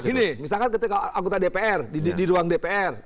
gini misalkan ketika anggota dpr di ruang dpr